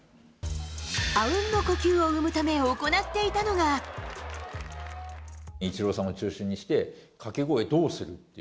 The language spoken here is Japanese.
あうんの呼吸を生むため、イチローさんを中心にして、掛け声どうするっていう。